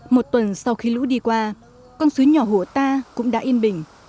một tuần sau khi lũ đi qua con suối nhỏ hổ ta cũng đã yên bình